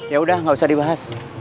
yaudah gak usah dibahas